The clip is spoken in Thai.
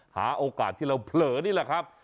หาโอกาสที่เราเผลอนี่แหละครับ